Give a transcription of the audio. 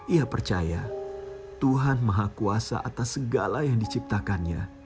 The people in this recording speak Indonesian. ia percaya tuhan maha kuasa atas segala yang diciptakannya